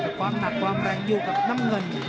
แต่ความหนักความแรงอยู่กับน้ำเงิน